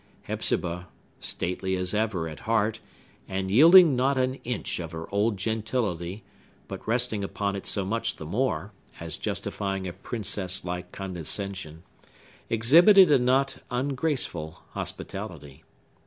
Hepzibah—stately as ever at heart, and yielding not an inch of her old gentility, but resting upon it so much the more, as justifying a princess like condescension—exhibited a not ungraceful hospitality.